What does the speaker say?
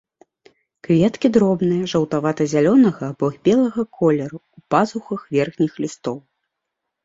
Кветкі дробныя, жаўтавата-зялёнага або белага колеру, у пазухах верхніх лістоў.